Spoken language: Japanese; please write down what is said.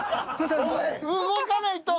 動かないと。